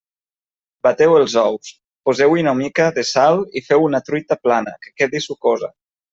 Bateu els ous, poseu-hi una mica de sal i feu una truita plana, que quedi sucosa.